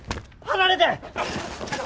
離れて！